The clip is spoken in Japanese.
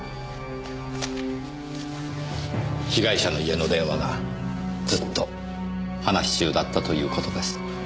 被害者の家の電話がずっと話し中だったという事です。